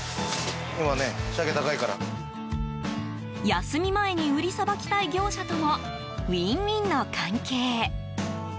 休み前に売りさばきたい業者とも、ウィンウィンの関係。